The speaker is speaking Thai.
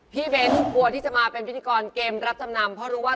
พี่เบ้นกลัวที่จะมาเป็นพิกรเกมรับสำนำ